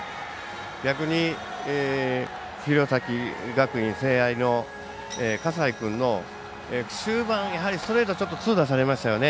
逆に、弘前学院聖愛の葛西君の終盤、ストレート痛打されましたよね。